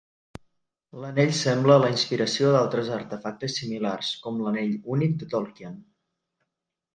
L'anell sembla la inspiració d'altres artefactes similars, com l'Anell Únic de Tolkien.